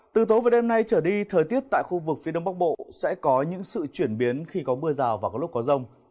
từ tối và đêm nay trở đi thời tiết tại khu vực phía đông bắc bộ sẽ có những sự chuyển biến khi có mưa rào và có lúc có rông